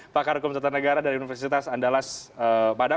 pakar kementerian negara dari universitas andalas padang